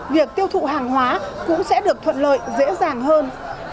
việc tiêu thụ hàng hóa cũng sẽ được thuận lợi dễ dàng hơn